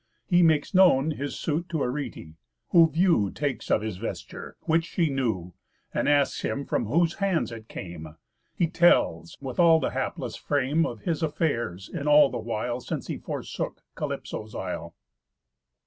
He makes known His suit to Arete: who view Takes of his vesture, which she knew, And asks him from whose hands it came. He tells, with all the hapless frame Of his affairs in all the while Since he forsook Calypso's isle.